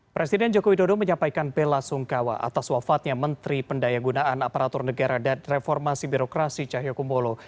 presiden joko widodo menyampaikan bela sungkawa atas wafatnya menteri pendaya gunaan aparatur negara dan reformasi birokrasi cahyokumolo